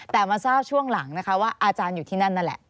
แต่มาทราบช่วงหลังนะคะว่าอาจารย์อยู่ที่นั่นนั่นแหละ